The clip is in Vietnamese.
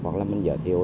hoặc là mình giới thiệu